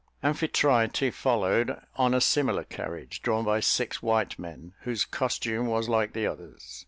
Amphitrite followed, on a similar carriage, drawn by six white men, whose costume was like the others.